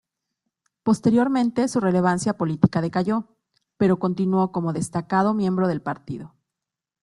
Posteriormente su relevancia política decayó, pero continuó como destacado miembro del partido.